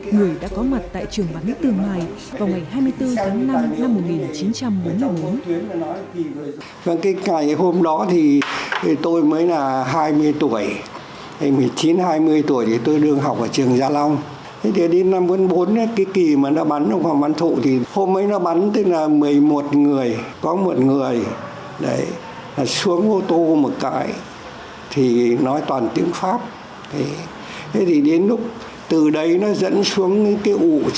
người đã có mặt tại trường bắn tương mai